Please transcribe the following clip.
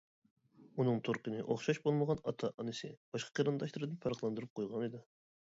ئۇنىڭ تۇرقىنى ئوخشاش بولمىغان ئاتا-ئانىسى باشقا قېرىنداشلىرىدىن پەرقلەندۈرۈپ قويغانىدى.